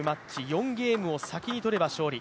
４ゲームを先に取れば勝利